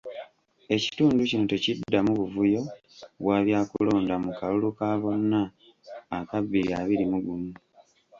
Ekitundu kino tekiddamu buvuyo bwa byakulonda mu kalulu ka bonna aka bbiri abiri mu gumu.